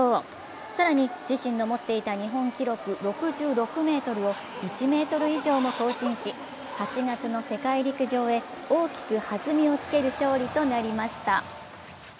更に、自身の持っていた日本記録６６ｍを１ｍ以上も更新し８月の世界陸上へ大きく弾みをつける勝利となりました。